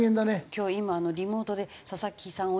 今日今リモートで佐々木さん